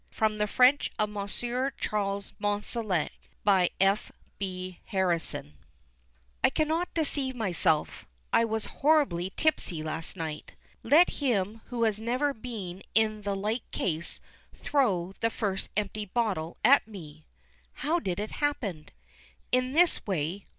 From the French of M. Charles Monselet, by F. B. HARRISON. I cannot deceive myself I was horribly tipsy last night. Let him who has never been in the like case throw the first empty bottle at me! How did it happen? In this way.